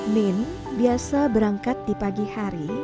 min biasa berangkat di pagi hari